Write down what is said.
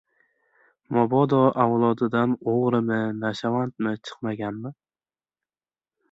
— Mabodo avlodidan o‘g‘rimi, nashavandmi chiqmaganmi?